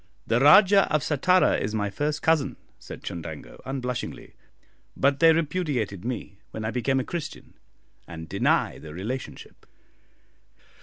"The Rajah of Sattara is my first cousin," said Chundango, unblushingly; "but they repudiated me when I became a Christian, and deny the relationship."